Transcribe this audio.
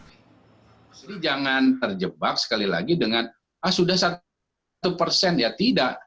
jadi jangan terjebak sekali lagi dengan ah sudah satu persen ya tidak